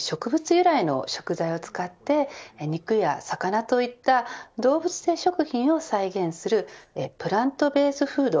由来の食材を使って肉や魚といった動物性食品を再現するプラントベースフード